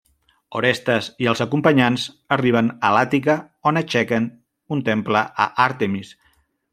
Orestes i els acompanyants arriben a l'Àtica on aixequen un temple a Àrtemis.